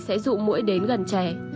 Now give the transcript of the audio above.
sẽ dụ mũi đến gần trẻ